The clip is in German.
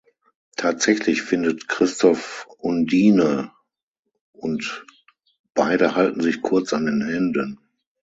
Tatsächlich findet Christoph Undine und beide halten sich kurz an den Händen.